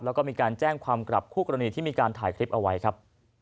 แล้วก็มีการแจ้งความกลับคู่กรณีที่มีการถ่ายคลิปเอาไว้ครับ